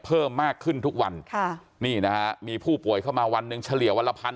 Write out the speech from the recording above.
เพิ่มมากขึ้นทุกวันค่ะนี่นะฮะมีผู้ป่วยเข้ามาวันหนึ่งเฉลี่ยวันละพัน